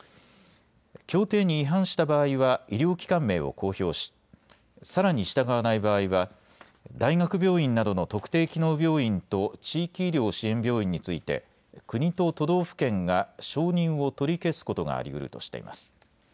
協定に違反した場合は医療機関名を公表しさらに従わない場合は大学病院などの特定機能病院と地域医療支援病院について国と都道府県が承認を取り消すことがありうるとしています。